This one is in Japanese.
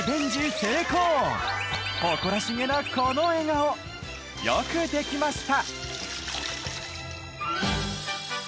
成功誇らしげなこの笑顔よくできました